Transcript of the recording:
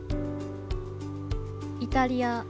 イタリア。